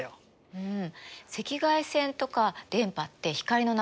うん。